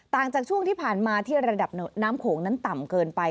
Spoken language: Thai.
จากช่วงที่ผ่านมาที่ระดับน้ำโขงนั้นต่ำเกินไป